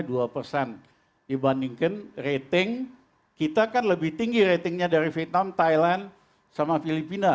dibandingkan rating kita kan lebih tinggi ratingnya dari vietnam thailand sama filipina